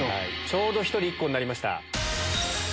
ちょうど１人１個になりました。